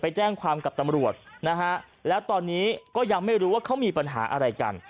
แจ้งความกับตำรวจนะฮะแล้วตอนนี้ก็ยังไม่รู้ว่าเขามีปัญหาอะไรกัน